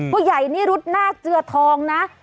ผู้ใหญ่นี่รุดหน้าเจือทองนะ